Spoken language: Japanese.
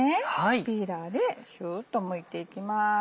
ピーラーでシュっとむいていきます。